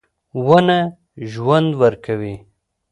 • ونه ژوند ورکوي.